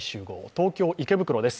東京・池袋です。